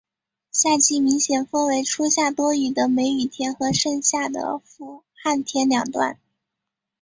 夏季明显分为初夏多雨的梅雨天和盛夏的伏旱天两段。